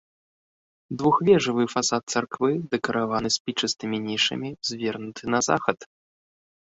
Двухвежавы фасад царквы, дэкараваны спічастымі нішамі, звернуты на захад.